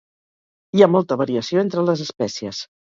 Hi ha molta variació entre les espècies.